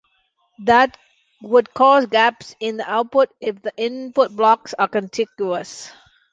That would cause gaps in the output if the input blocks are contiguous.